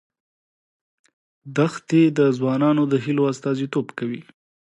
دښتې د ځوانانو د هیلو استازیتوب کوي.